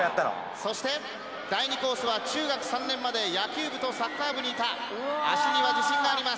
そして第２コースは中学３年まで野球部とサッカー部にいた足には自信があります